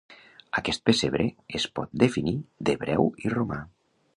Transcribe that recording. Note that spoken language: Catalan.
Aquest pessebre es pot definir d'hebreu i romà.